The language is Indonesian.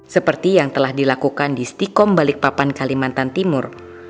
seperti yang telah dilakukan di stikom balikpapan kalimantan timur